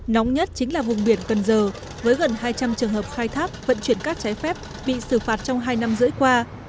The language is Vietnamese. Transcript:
nóng nhất chính là vùng biển cần giờ với gần hai trăm linh trường hợp khai thác vận chuyển cát trái phép bị xử phạt trong hai năm rưỡi qua